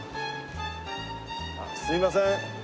あっすいません。